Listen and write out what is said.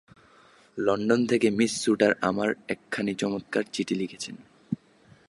London থেকে Miss Suter আমায় একখানি চমৎকার চিঠি লিখেছেন।